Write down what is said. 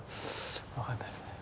分かんないですね。